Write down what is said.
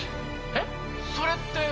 えっ？それって。